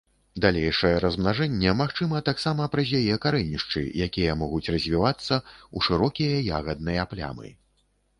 Далейшае размнажэнне магчыма таксама праз яе карэнішчы, якія могуць развівацца ў шырокія ягадныя плямы.